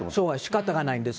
しかたがないんです。